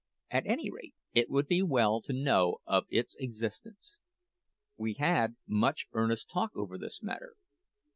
At any rate, it would be well to know of its existence. We had much earnest talk over this matter.